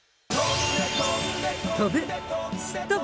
飛ぶ！